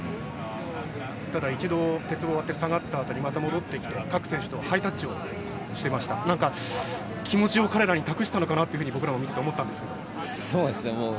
ただ一度、鉄棒が終わって下がったあとにまた出てきて各選手とハイタッチをしていました気持ちを彼らに託したのかなと僕らは見ていて思ったんですが。